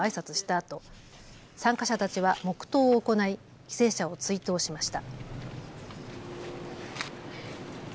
あと参加者たちは黙とうを行い犠牲者を追悼しました。